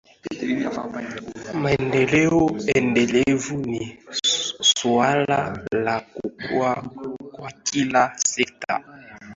maendeleo endelevu ni suala la kukua kwa kila sekta